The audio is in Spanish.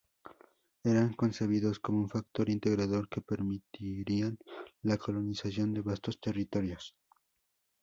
Eran concebidos como un factor integrador que permitirían la colonización de vastos territorios.